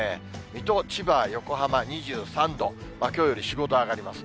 水戸、千葉、横浜２３度、きょうより４、５度上がります。